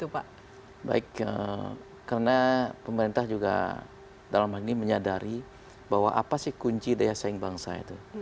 baik karena pemerintah juga dalam hal ini menyadari bahwa apa sih kunci daya saing bangsa itu